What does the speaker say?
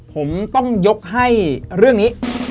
ผมต้องยกให้เรื่องนี้